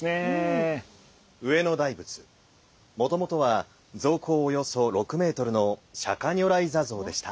上野大仏もともとは像高およそ６メートルの釈如来坐像でした。